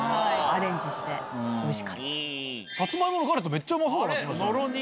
サツマイモのガレット、めっちゃうまそうになってましたね。